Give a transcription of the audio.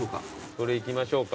それいきましょうか。